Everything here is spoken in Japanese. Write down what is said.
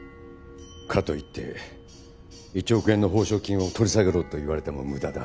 かといって１億円の報奨金を取り下げろと言われても無駄だ。